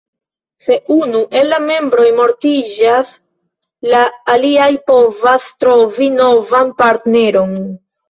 Se unu el la membroj mortiĝas, la alia povas trovi novan partneron.